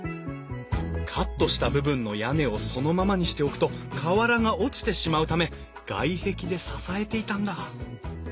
カットした部分の屋根をそのままにしておくと瓦が落ちてしまうため外壁で支えていたんだ。